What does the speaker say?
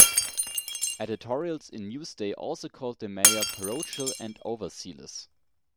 Editorials in "Newsday" also called the mayor "parochial and overzealous".